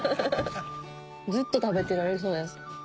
ずっと食べてられそうです。